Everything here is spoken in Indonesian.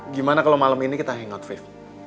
gimana kalau malam ini kita hangout fit